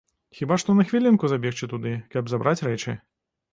Хіба што на хвілінку забегчы туды, каб забраць рэчы.